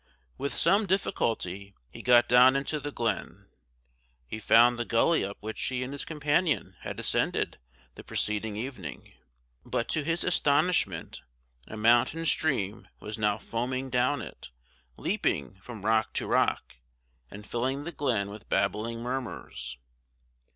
With some difficulty he got down into the glen: he found the gully up which he and his companion had ascended the preceding evening; but to his astonishment a mountain stream was now foaming down it, leaping from rock to rock, and filling the glen with babbling murmurs.